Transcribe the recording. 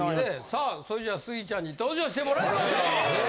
さあそれではスギちゃんに登場してもらいましょう。